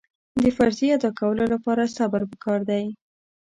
د فریضې ادا کولو لپاره صبر پکار دی.